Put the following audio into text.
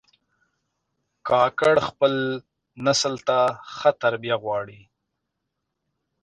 کاکړ خپل نسل ته ښه تربیه غواړي.